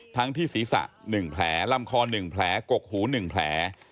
ที่ศีรษะ๑แผลลำคอ๑แผลกกหู๑แผล